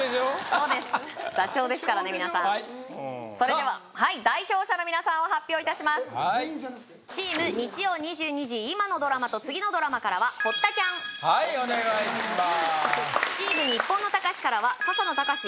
そうですダチョウですからね皆さんそれでは代表者の皆さんを発表いたしますチーム日曜２２時今のドラマと次のドラマからは堀田ちゃんはいお願いしまーすチーム日本のたかしからは笹野高史